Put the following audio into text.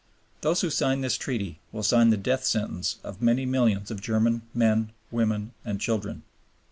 Those who sign this Treaty will sign the death sentence of many millions of German men, women and children."